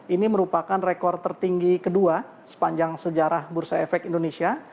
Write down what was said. ini merupakan rekor tertinggi kedua sepanjang sejarah bursa efek indonesia